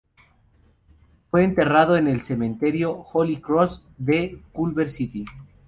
Fue enterrado en el cementerio Holy Cross de Culver City.